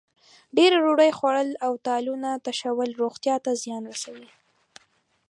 ډېره ډوډۍ خوړل او تالونه تشول روغتیا ته زیان رسوي.